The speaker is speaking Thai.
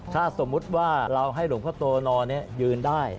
ถ้าสมมุติว่าเราให้หลวงพ่อโตนอนยืนได้